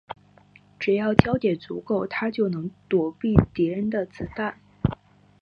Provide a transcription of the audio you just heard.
只要焦点足够她就能躲避敌人的子弹。